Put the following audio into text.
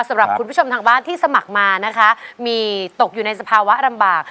สำหรับคุณผู้ชมทางบ้านที่สมัครมานะคะมีตกอยู่ในสภาวะลำบาก